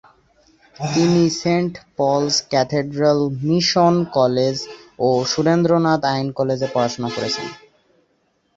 তিনি Saint Paul's Cathedral Mission College ও সুরেন্দ্রনাথ আইন কলেজে পড়াশোনা করেছেন।